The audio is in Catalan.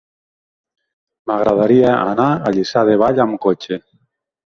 M'agradaria anar a Lliçà de Vall amb cotxe.